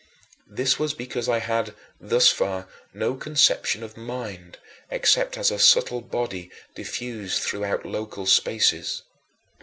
This was because I had, thus far, no conception of mind, except as a subtle body diffused throughout local spaces.